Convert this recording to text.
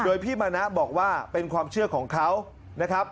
โดยพี่มณะบอกว่าเป็นความเชื่อของเขานะครับ